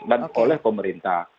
dan oleh pemerintah